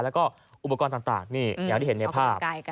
แล้วก็อุปกรณ์ต่างนี่อย่างที่เห็นในภาพ